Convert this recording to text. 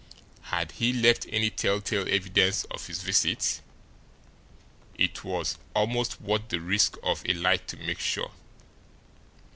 Had he left any telltale evidence of his visit? It was almost worth the risk of a light to make sure.